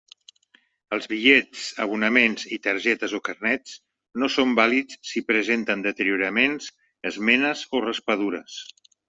Els bitllets, abonaments i targetes o carnets no són vàlids si presenten deterioraments, esmenes o raspadures.